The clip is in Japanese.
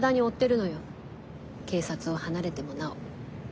警察を離れてもなお。